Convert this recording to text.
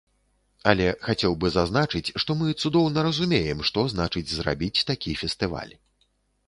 Але хацеў бы зазначыць, што мы цудоўна разумеем, што значыць зрабіць такі фестываль.